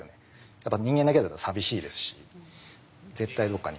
やっぱ人間だけだと寂しいですし絶対どっかに。